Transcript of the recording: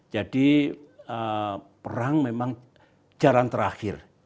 jadi perang memang jalan terakhir